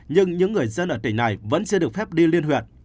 nhưng những người dân ở tỉnh này vẫn sẽ được phép đi liên huyện